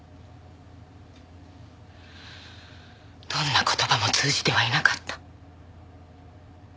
どんな言葉も通じてはいなかった。